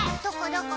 どこ？